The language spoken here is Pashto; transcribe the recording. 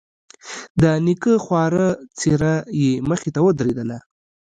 د نيکه خواره څېره يې مخې ته ودرېدله.